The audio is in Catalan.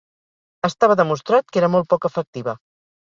Estava demostrat que era molt poc efectiva.